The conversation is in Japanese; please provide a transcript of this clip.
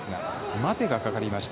待てがかかりました。